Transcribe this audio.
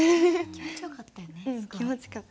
気持ちよかった。